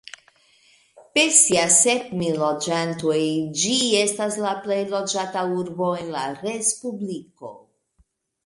Per sia sep mil loĝantoj ĝi estas la plej loĝata urbo en la respubliko.